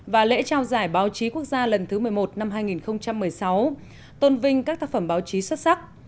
và lễ trao giải báo chí quốc gia lần thứ một mươi một năm hai nghìn một mươi sáu tôn vinh các tác phẩm báo chí xuất sắc